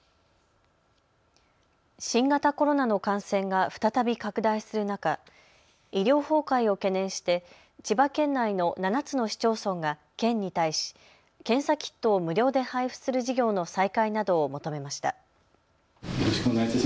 新型コロナの感染が再び拡大する中、医療崩壊を懸念して千葉県内の７つの市町村が県に対し検査キットを無料で配布する事業の再開などを求めました。